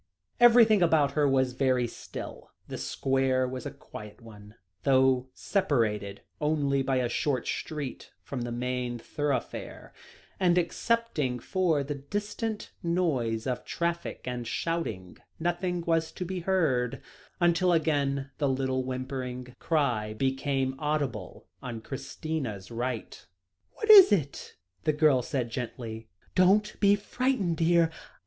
Everything about her was very still; the square was a quiet one, though separated only by a short street from a main thoroughfare; and, excepting for the distant noise of traffic and shouting, nothing was to be heard, until again the little whimpering cry became audible on Christina's right. "What is it?" the girl said gently. "Don't be frightened, dear.